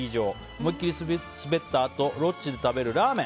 思いっきり滑ったあとロッジで食べるラーメン。